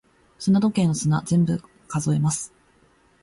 砂時計の砂、全部数えます。